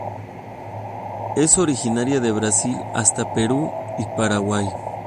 Es originaria de Brasil hasta Perú y Paraguay.